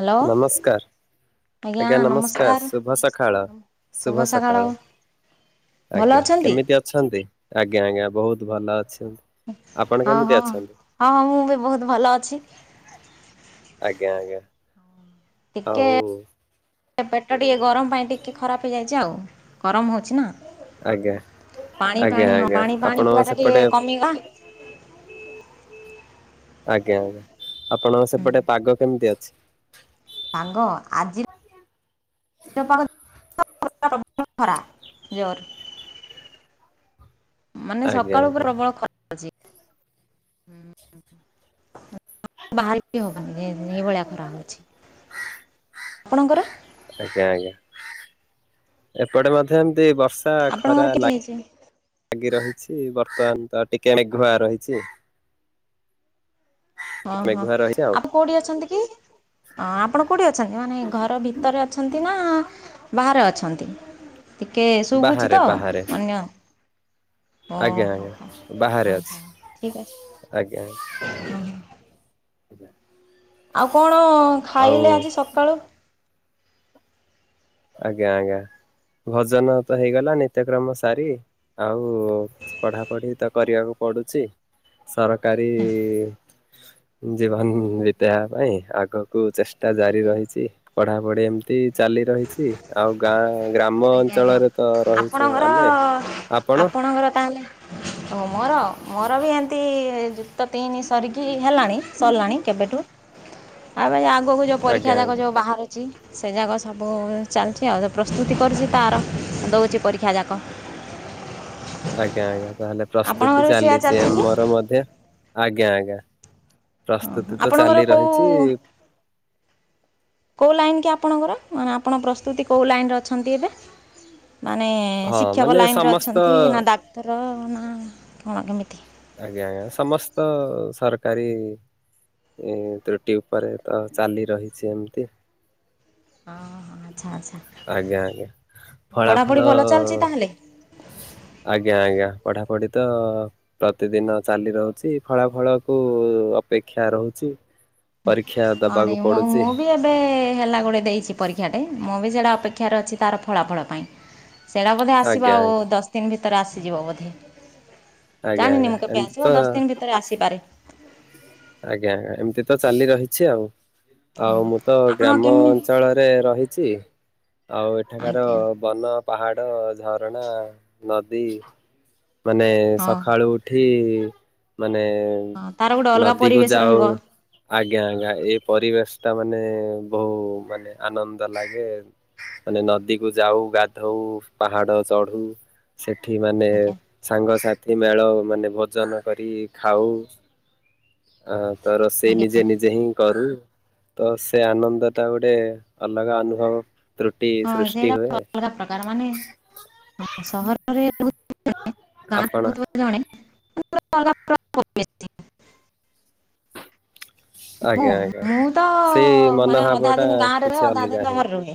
Hello ନମସ୍କାର! ଆଜ୍ଞା ନମସ୍କାର ଶୁଭ ସକାଳ ଶୁଭ ସକାଳ! ଭଲ ଆଜ୍ଞା ଅଛନ୍ତି? କେମିତି ଅଛନ୍ତି? ଆଜ୍ଞା ଆଜ୍ଞା ବହୁତ ଭଲ ଅଛି। ଆପଣ ହଁ କେମିତି ହଁ ହଁ ଅଛନ୍ତି? ହଁ ମୁଁ ବି ବହୁତ ଭଲ ଅଛି। ଆଜ୍ଞା ଆଜ୍ଞା। ଆଉ ସେ ପେଟ ଟିକେ ଗରମ ପାଇଁ ଟିକେ ଖରାପ ହେଇଯାଇଛି। ଆଉ ଗରମ ହେଉଛି ନା। ଆଜ୍ଞା ପାଣି ଆଜ୍ଞା ପାଣି ହଁ ଆଜ୍ଞା ପାଣି ପାଣି ଆପଣଙ୍କ ପିଇଆ ଟା ଟିକେ ସେପଟେ କମିଲା [unintelligible] ଆଜ୍ଞା ଆଜ୍ଞା ଆପଣଙ୍କ ସେପଟେ ପାଗ କେମିତି ଅଛି? ପାଗ ଆଜି [unintelligible] ର ଖରା ଜୋର ମାନେ ଆଜ୍ଞା ସକାଳୁ ଆଜ୍ଞା ପ୍ରବଳ ଖରା ହଉଛି। ବାହାରି ହବନି ଏଇଭଳିଆ ଖରାହଉଛି। ଆପଣଙ୍କର? ଆଜ୍ଞା ଆଜ୍ଞା ଏପଟେ ମଧ୍ୟ ଏମତି। ବର୍ଷା ଖରା ଆପଣଙ୍କର କେମିତି ଲାଗେ ହେଇଛି? ଲାଗି ରହିଛି ବର୍ତ୍ତମାନ ତ ଟିକେ ମେଘୁଆ ରହିଛି। ଓ ଟିକେ ହୋ ମେଘୁଆ ରହିଛି ଆଉ ଆପଣ କୋଉଠି ଅଛନ୍ତି କି? ଅଁ ଆପଣ କୋଉଁଠି ଅଛନ୍ତି ମାନେ ଘର ଭିତରେ ଅଛନ୍ତି ନା ବାହାରେ ଅଛନ୍ତି ଟିକଏ ଶୁଭୁଛି ବାହାରେ ତ ବାହାରେ ଅନ୍ୟ? ଓ ଆଜ୍ଞା ହୋ ଆଜ୍ଞା ହ ବାହାରେ ହଁ ଅଛି ହଁ ଠିକ ଅଛି। ଆଜ୍ଞା। ଆଉ କଣ ଆଉ ଖାଇଲେ ଆଜି ସକାଳୁ? ଆଜ୍ଞା ଆଜ୍ଞା। ଭୋଜନ ତ ହେଇଗଲା, ନିତ୍ୟକ୍ରମ ସାରି ଆଉ ପଢାପଢି ତ କରିବାକୁ ପଡୁଛି ସରକାରୀ ଜୀବନ ବିତେଇବା ପାଇଁ ଆଗକୁ ଚେଷ୍ଟା ଜାରି ରହିଚି ପଢାପଢି ଏମତି ଏମତି ଚାଲି ରହିଚି ଆଉ ଗାଁ ଗ୍ରାମ ଆଜ୍ଞା ଆଜ୍ଞା ଅଞ୍ଚଳରେ ତ ରହୁଛୁ ଆପଣଙ୍କର ଆମେ ଆପଣ ଆପଣଙ୍କର ତାହେଲେ ଓ ମୋର ମୋର ବି ଏମତି ତ ତିନି ସରିକି ହେଲାଣି ସରିଲାଣି କେବେଠୁ ଆ ଆଗକୁ ଯେଉଁ ପରୀକ୍ଷା ଆଜ୍ଞା ଯକ ଆଜ୍ଞା ଯେଉଁ ବାହାରୁଚି ସେ ଯାଗକ ସବୁ ଚାଲିଛି ଆଉ ପ୍ରସ୍ତୁତି କରିଚି। ତାର ଦୋଉଚି ପରୀକ୍ଷା ଯାକ। ଆଜ୍ଞା ଆଜ୍ଞା ତାହେଲେ ପ୍ରସ୍ତୁତି ଆପଣଙ୍କର ବି ସେୟା ଚାଲିଚି ଚାଲିଛି କି ହଁ ଆମର ମଧ୍ୟ, ଆଜ୍ଞା ଆଜ୍ଞା। ହଁ ପ୍ରସ୍ତୁତି ତ ଆପଣଙ୍କର ଚାଲି ରହିଛି କୋଉ କେଉଁ ଲାଇନ୍ କି ଆପଣଙ୍କର ମାନେ ଆପଣ ପ୍ରସ୍ତୁତି କେଉଁ ଲାଇନ୍ରେ ଅଛନ୍ତି ଏବେ? ମାନେ ହଁ ଶିକ୍ଷକ ମାନେ ଲାଇନରେ ସମସ୍ତ ଅଛନ୍ତି ନା ଡାକ୍ତର ନା କଣ କେମିତି? ଆଜ୍ଞା ଆଜ୍ଞା ସମସ୍ତ ସରକାରୀ ତ୍ରୁଟି ଉପରେ ତ ଚାଲି ରହିଚି ଏମିତି। ହଁ ହଁ ଆଚ୍ଛା ଆଚ୍ଛା ଆଜ୍ଞା ଆଜ୍ଞା ଫଳା ପଢ଼ାପଢ଼ି ଫଳ ଭଲ ଚାଲିଛି ତାହେଲେ ଆଜ୍ଞା ଆଜ୍ଞା ପଢାପଢି ତ ପ୍ରତିଦିନ ଚାଲି ରହୁଚି ଫଳା ଫଳ କୁ ଅପେକ୍ଷା ରହୁଚି। ଆଡ ମୁଁ ମୁଁ ବି ଏବେ। ହେଲା ଗୋଟେ ଦେଇଚି ପରୀକ୍ଷାଟେ ମୁଁ ବି ସେଇଟା ଅପେକ୍ଷାରେ ଅଛି ତାର ଫଳାଫଳ ପାଇଁ। ସେଇଟା ବୋଧେ ଆସିବ ଆଜ୍ଞା ଆଉ ଆଜ୍ଞା ଦଶ ଦିନ ଭିତରେ ଆସିଯିବ ବୋଧେ। ଆଜ୍ଞା ଜାଣିନି ଆଜ୍ଞା ମୁଁ କେବେ ଏମିତି ତ ଆସିବ ଦଶ ଦିନ ଭିତରେ ଆସିପାରେ। ଆଜ୍ଞା ଆଜ୍ଞା ଏମିତି ତ ଚାଲି ରହିଛି ଆଉ। ହଁ ଆଉ ମୁଁ ତ ଆପଣ ଗ୍ରାମ କେମି ଅଞ୍ଚଳରେ ରହିଛି। ଆଉ ଏଠାକାର ଆଜ୍ଞା ବନ ପାହାଡ଼ ଝରଣା ନଦୀ ମାନେ ହଁ ସକାଳୁ ଉଠି ମାନେ ହଁ ତାର ଗୋଟେ ଅଲଗା ନଦୀ କୁ ପରିବେଶ ଯାଉ ରହିବ ଆଜ୍ଞା ଆଜ୍ଞା ଏଇ ପରିବେଶ ଟା ମାନେ ବହୁ ମାନେ ଆନନ୍ଦ ଲାଗେ ମାନେ ନଦୀକୁୁ ଯାଉ ଗାଧଉ ପାହାଡ ଚଢୁ ସେଠ ଏଠି ମାନେ ଆଜ୍ଞା ସାଙ୍ଗସାଥି ମେଳ ମାନେ ଭୋଜନ କରି ଖାଉ। ଆ ତ ରୋଷେଇ ଆଜ୍ଞା ନିଜେ ନିଜେ ହିଁ କରୁ। ତ ସେ ଆନନ୍ଦ ଟା ଗୋଟେ ଅଲଗା ଅନୁଭବ ତ୍ରୁଟି ହଁ ସୃଷ୍ଟି ସେଇଟା ହୁଏ ଅଲଗା ପ୍ରକାର ମାନେ ସହରରେ ଆପଣ ଗାଁହୁ ଜଣେ [unintelligible] ପଳାଛି। ଆଜ୍ଞା ଆଜ୍ଞା ସେଇ ମାନେ ମନୋଭାବ ଅଧା ଟା ଦିନ ଗାଁରେ ରହେ କିଛି ଅଧା ଦିନ ଅଲଗା ହିଁ। ସହରରେ ରୁହେ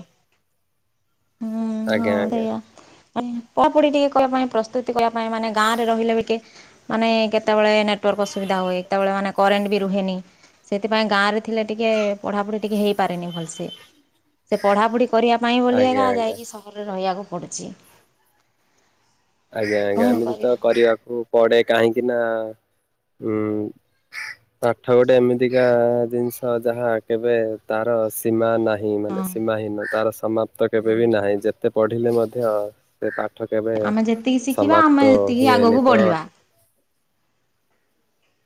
ଆଜ୍ଞା ଆଜ୍ଞା। ପଢାପଢି ଟିକେ କ ପାଇଁ ପ୍ରସ୍ତୁତି କଲା ପାଇଁ ମାନେ ଗାଁ ରେ ରହିଲେ ବି ଟିକେ ମାନେ କେତେବେଳେ ନେଟ ଅସୁବିଧା ହୁଏତବେଳେ ମାନେ କରେଣ୍ଟ ବି ରୁହେନି। ସେଥିପାଇଁ ଗାଁରେ ଥିଲେ ଟିକେ ପଢ଼ାପଢ଼ି ଟିକଏ ହେଇପାରେନି ଭଲସେ ସେ, ପଢ଼ାପଢ଼ି କରିବା ପାଇଁ ବୋଲି ଆଜ୍ଞା ଜ ଆଜ୍ଞା ଯାଇକି ଆଜ୍ଞା ସହରରେ ରହିବାକୁ ପଡ଼ୁଛି। ଆଜ୍ଞା ଆଜ୍ଞା କଣ ଏମିତି ତ କରିବା? କରିବାକୁ ପଡେ କାହିଁକି ନା ଉଁ ପାଠ ଗୋଟେ ଏମିତିକା ଜିନିଷ ଯାହା କେବେ ତାର ସୀମା ନାହିଁ। ମାନେ ହଁ ସୀମାହୀନ ତାର ସମାପ୍ତ କେବେ ବି ନାହିଁ ଯେତେ ପଢିଲେ ମଧ୍ୟ। ସେ ପାଠ କେବେ ଏତିକି ଶିଖିବା ସମାପ୍ତ ଆମେ ଏତିକି ହୁଏନି ଆଗକୁ ତ ବଢିବା।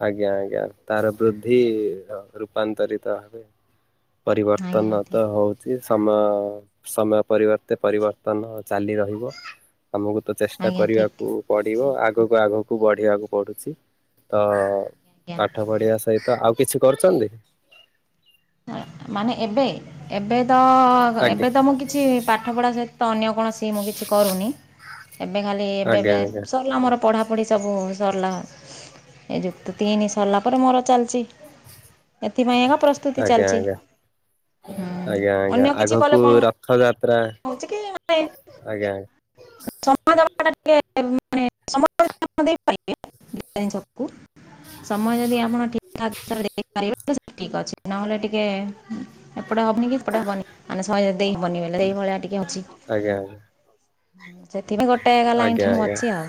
ଆଜ୍ଞା, ଆଜ୍ଞା ତାର ବୃଦ୍ଧି ରୂପାନ୍ତରିତ ଭାବେ। ଆଜ୍ଞା ପରିବର୍ତ୍ତନ ତ ଠିକ୍ ହଉଚି। ସମୟ ସମୟ ପରିବର୍ତ୍ତେ ପରିବର୍ତ୍ତନ ଚାଲି ରହିବ। ଆମକୁ ତ ଚେଷ୍ଟା ଆଜ୍ଞା ଠିକ୍ କରିବାକୁ ପଡିବ। ଆଗକୁ ଆଗକୁ ବଢିବାକୁ ପଡୁଛି। ତ ଆଜ୍ଞା। ପାଠ ପଢ଼ିବା ସହିତ ଆଉ କିଛି କରିଛନ୍ତି? ନା ମାନେ ଏବେ, ଏବେ ତ ଆଜ୍ଞା ଏବେ ତ ମୁଁ କିଛି ପାଠପଢ଼ା ସହିତ ଅନ୍ୟ କୌଣସି ମୁଁ କିଛି କରୁନି। ଏବେ ଖାଲି ଆଜ୍ଞା ଏବେବେ ଆଜ୍ଞା ସରଲା ମୋର ପଢ଼ାପଢ଼ି ସବୁ। ସରଲା ଏ ଯୁକ୍ତ ତିନି ସରଲା ପରେ ମୋର ଚାଲିଚି ଏଥିପାଇଁ ଏକା ପ୍ରସ୍ ଆଜ୍ଞା, ଆଜ୍ଞା, ଆଜ୍ଞା ଅନ୍ୟ ଆଜ୍ଞା କିଛି କଲେ ଆଗକୁ କଣ ରଥ ଯାତ୍ରା, ହେଉଛି କି ମାନେ ଆଜ୍ଞା ସମୟ ଦବାଟା ଟିକେ ଏ ମାନେ ସମୟ କଣ ଦେଇପାରିବେ ଡିଫେନ୍ସ କୁ? ସମୟ ଯଦି ଆପଣ ଠିକ୍ ଠାକ [unintelligible] ଦେଇପାରିବେ ସେ ଠିକ୍ ଅଛି ନହେଲେ ଟିକେ ଉଁ, ଏ ଏପଟେ ହବନିକି ସେପଟେ ହବନି ମାନେ ସଏ ଦେଇ ହବନି ବେଲେ ସେଇଭଳିଆ ଟି ଆଜ୍ଞା, ଆଜ୍ଞା। ଉଁ, ସେଠି ବି ଗୋଟେ ଗଲା ଆଜ୍ଞା ଏଇଠି ମୁଁ ଆଜ୍ଞା। ଅଛି ଆଉ।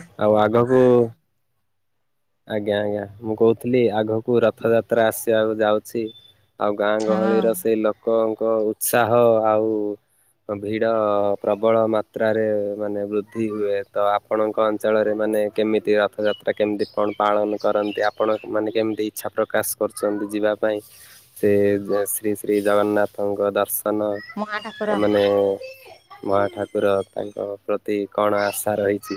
ଆଜ୍ଞା, ଆଜ୍ଞା ମୁଁ କହୁଥିଲି ଆଗକୁ ରଥଯାତ୍ରା ଆସିବାକୁ ଯାଉଛି। ଆଉ ଗାଁ ହଁ ଗହଳିର ସେଇ ଲୋକଙ୍କ ଉତ୍ସାହ ଆଉ ଓ ଭିଡ ପ୍ରବଳ ମାତ୍ରାରେ ମାନେ ବୃଦ୍ଧି ହୁଏ। ତ ଆପଣଙ୍କ ଅଞ୍ଚଳରେ ମା ନେ କେମିତି ରଥଯାତ୍ରା କେମିତି କଣ ପାଳନ କରନ୍ତି? ଆପଣ ମାନେ କେମିତି ଇଚ୍ଛା ପ୍ରକାଶ କରିଛନ୍ତି ଯିବା ପାଇଁ? ସେ ଗ ଓ ଶ୍ରୀ ଶ୍ରୀ ଜଗନ୍ନାଥଙ୍କ ଦର୍ଶନ ମୋ ନାଁ ଅ, ଠାକୁର ମାନେ ମହା ଠାକୁର ତାଙ୍କ ପ୍ରତି କଣ ଆଶା ରହିଛି?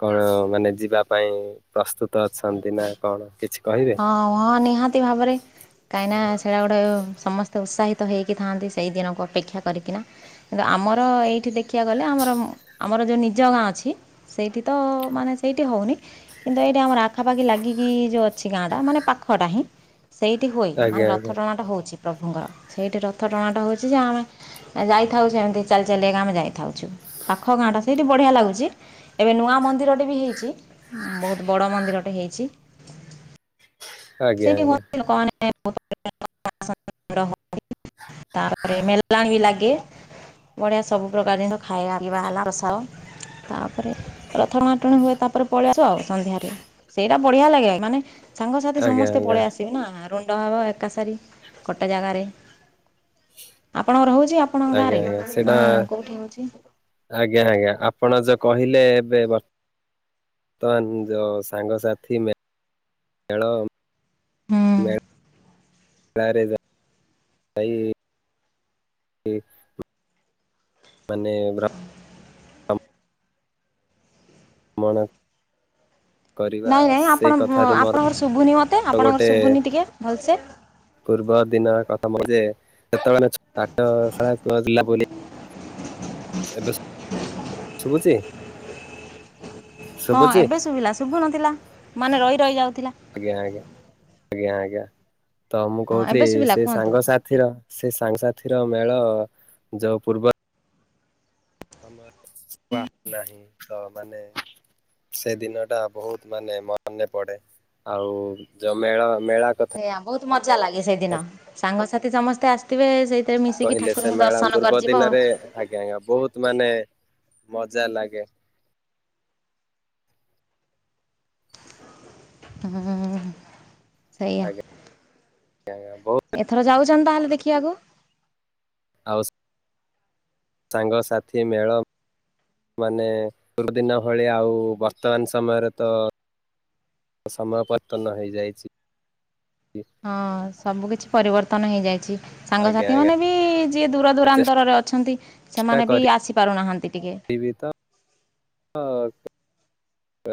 କଣ ମାନେ ଯିବା ପାଇଁ ପ୍ରସ୍ତୁତ ଅଛନ୍ତି ନା କଣ? କିଛି କହିବେ? ହଁ, ହଁ ନିହାତି ଭାବରେ କାଇଁନା ସେଟା ଗୋଟେ ସମସ୍ ତ ଉସାହିତ ହେଇକି ଥାଆନ୍ତି ସେଇ ଦିନକୁ ଅପେକ୍ଷା କରିକିନା। କିନ୍ତୁ ଆମର ଏଇଠି ଦେ ଖିଆ ଗଲେ ଆମର ମୁଁ ଆମର ଯୋଉ ନିଜ ଗାଁ ଅଛି ସେଇଠି ତ ମାନେ ସେଇଠି ହଉନି। କିନ୍ତୁ ଏଇଠି ଆମର ଆଖାପାଖି ଲାଗିକି ଯୋଉ ଅ ଛି ଗାଁ ଟା ମାନେ ପାଖଟା ହିଁ, ସେଇଠି ହୁଏ। ମାନେ ଆଜ୍ଞା ରଥ ଆଜ୍ଞା ଟଣାଟା ହଉଛି। ପ୍ରଭୁଙ୍କର ସେଇଠି ରଥ ଟଣାଟ ହଉଛି ଯେ ଆମେ ଏ ଯାଇଥାଉ ସେମିତି ଚାଲି ଚାଲିକା ଆମେ ଯାଇଥାଉଛୁ। ପାଖ ଗାଁଟା, ସେଇଠି ବଢିଆ ଲାଗୁଛି‌। ଏବେ ନୂଆ ମନ୍ଦିରଟି ବି ହେଇଛି। ଉଁ, ବହୁତ ବଡ଼ ମନ୍ଦିର ଟେ ହେଇଛି। ସେଇଠି ଆଜ୍ଞା ହଉଚି ଲୋକମାନେ [inaudible] ତାପରେ ମେଲଣ ବି ଲାଗ ଗେ ବଢ଼ିଆ ସବୁ ପ୍ରକାର ଜିନିଷ ଖାଇବା ପିଇବା ହେଲା ପସ ତା ପରେ ରଥ‌ ଅଣାଟଣି ହୁଏ। ତାପରେ ପଳି ଆସୁ ଆଉ ସନ୍ଧ୍ୟାରେ। ସେଇଟା ବଢିଆ ଲାଗେ। ମାନେ ସାଙ୍ଗସାଥି ଆଜ୍ଞା ସମସ୍ତେ ଆଜ୍ଞା ଆଜ୍ଞା ପଳେଇ ଆସିବେ ନା ହା ରୁଣ୍ଡ ହବ ଏକା ସରି କୋଟେ ଜାଗାରେ। ଆପଣଙ୍କର ହଉଛ ଆଜ୍ଞା, ଆଜ୍ଞା ସେଇଟା ଆଜ୍ଞା, ଆଜ୍ଞା ଆପଣ ଯ କହିଲେ ଏବେ ବର୍ ତମାନ୍ ଯୋ ସାଙ୍ଗସାଥି ମେ ମେଳ ହଁ। ଗାଁରେ ଯୋ ଏଇ ଇ-ଉ ମାନେ ବ୍ର ମଣ ନାଇଁ ନାଇଁ ଆପଣ ମ ଆପଣଙ୍କର ଶୁଭୁନି ମୋତେ। ଆପଣଙ୍କର ଗୋଟେ ଶୁଭୁନି ଟିକେ ଭଲ୍ ସେ। ପୂର୍ବ ଦିନ କଥା ମୋର ଯେ ଯେତେବେଳେ ଆମେ ଛୁ ପାଠ ସା [unintelligible] ବୋଲି ଏବେ ଶୁଭୁଛି ହଁ ଶୁଭୁଛି ଏବେ ଶୁଭିଲା ଶୁଭୁ ନଥିଲା ମାନେ ରହି ରହି ଯାଉଥିଲା। ଆଜ୍ଞା ଆଜ୍ଞା ଆଜ୍ଞା ଆଜ୍ଞା ତ ମୁଁ ହଁ ଏବେ କହୁଥିଲି ଶୁଭିଲା ସେ କୁହନ୍ତୁ ସାଙ୍ଗ ସାଥିର ସେ ସାଙ୍ଗସାଥିର ମେଳ ଯୋଉ ପୂର୍ବ [unintelligible] ନାହିଁ ତ ମାନେ ସେ ଦିନ ଟା ବହୁତ ମାନେ ମନେ ପଡେ ଆଉ ଯୋଉ ମେଳ ମେଳା କଥା ତ ମଜା ଲାଗେ ସେଇଦିନ ସାଙ୍ଗସାଥି ସମସ୍ତେ ଆସିଥିବେ ସେଇ କହିଲେ ସେ ମେଳା ପୂର୍ବ ଦିନରେ ଆଜ୍ଞା ଆଜ୍ଞା ବହୁତ ମାନେ ମଜା ଲାଗେ ହ୍ନୁ ସେଇଆ ଆଜ୍ଞା ଆଜ୍ଞା ବହୁତ ଜନ୍ତା ହେଲେ ଦେଖିବାକୁ ଆଉ ସାଙ୍ଗସାଥି ମେଳ ମାନେ ପୂର୍ବ ଦିନ ଭଳିଆ ଆଉ ବର୍ତ୍ତମାନ ସମୟରେ ତ ସମୟ ପତନ ହେଇ ଯାଇଛି। ହଁ ସବୁ କିଛି ପରିବର୍ତ୍ତନ ହେଇଯାଇ ଆଜ୍ଞା ସାଙ୍ଗସାଥି ଆଜ୍ଞା ମାନେ ବି ଯିଏ ଦୂର ଦୂରାନ୍ତରରେ ଅଛନ୍ତି ଚେଷ୍ଟା ସେମାନେ ବି ଆସି ପାରୁନାହାନ୍ତି ଟିକେ [unintelligible] ହଁ।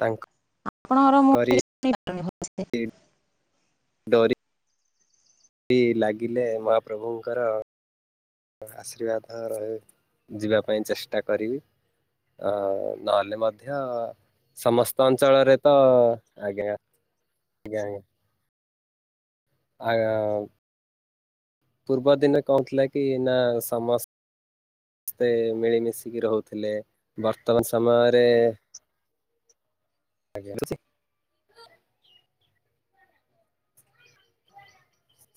ତାଙ୍କୁ ଆପଣଙ୍କର [unintelligible] ଡୋରି ବି ଲାଗିଲେ ମହାପ୍ରଭୁଙ୍କର ଆଶୀର୍ବାଦ ରହୁ ଯିବା ପାଇଁ ଚେଷ୍ଟା କରିବି। ଆ ନହେ ଲେ ମଧ୍ୟ ସମସ୍ତ ଅଞ୍ଚଳରେ ତ ଆଜ୍ଞା ଆଜ୍ଞା ଆଜ୍ଞା। ଆ ପୂର୍ବ ଦିନେ କଣ ଥିଲା କି ନା ସମସ୍ତ ସମସ୍ତେ ମିଳିମିଶିକି ରହୁଥିଲେ ବର୍ତ୍ତମାନ ସମୟରେ ଆଜ୍ଞା [inaudible]